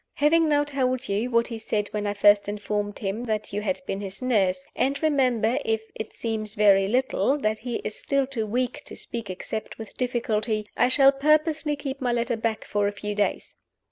"Having now told you what he said when I first informed him that you had been his nurse and remember, if it seem very little, that he is still too weak to speak except with difficulty I shall purposely keep my letter back for a few days.